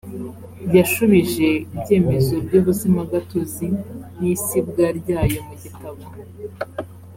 yashubije ibyemezo by’ ubuzimagatozi n’ isibwa ryayo mu gitabo